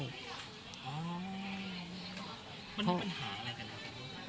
มันเป็นปัญหาอะไรกัน